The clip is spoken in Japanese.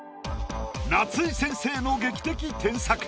夏井先生の劇的添削。